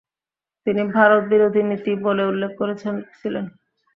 তিনি "ভারত বিরোধী নীতি" বলে উল্লেখ করেছিলেন।